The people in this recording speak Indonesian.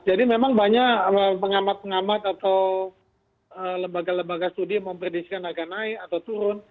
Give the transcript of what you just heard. jadi memang banyak pengamat pengamat atau lembaga lembaga studi memprediksikan harga naik atau turun